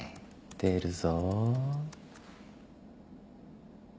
出るぞ。